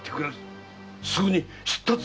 すぐに出立せい！